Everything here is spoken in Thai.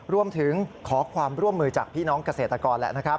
รวมถึงขอความร่วมมือจากพี่น้องเกษตรกรแหละนะครับ